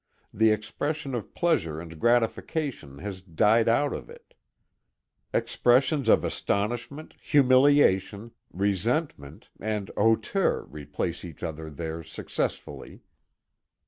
The expression of pleasure and gratification has died out of it. Expressions of astonishment, humiliation, resentment and hauteur replace each other there successively.